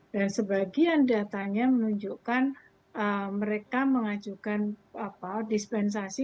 dan sebagian datanya menunjukkan mereka mengajukan dispensasi